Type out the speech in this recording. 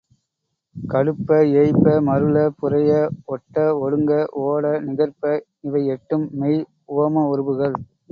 கடுப்ப, ஏய்ப்ப, மருள, புரைய, ஒட்ட, ஒடுங்க, ஓட, நிகர்ப்ப இவை எட்டும் மெய் உவம உருபுகள்.